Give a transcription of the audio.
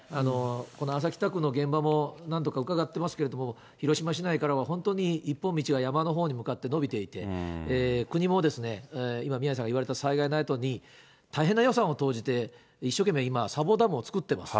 この安佐北区の現場も何度かうかがってますけれども、広島市内からも本当に一本道が山のほうに向かって伸びていて、国も今、宮根さんが言われたように、災害のあとに大変な予算を投じて、一生懸命今、砂防ダムを造っています。